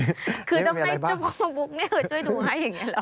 คือถ้าไม่จบบุ๊กเนี่ยเธอจะไม่ดูให้อย่างนี้แล้ว